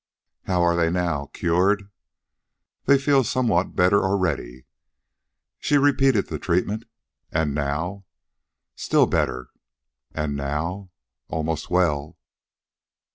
"How are they now. Cured?" "They feel some better already." She repeated the treatment. "And now?" "Still better." "And now?" "Almost well."